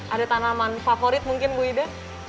ada tanaman favorit mungkin bu ida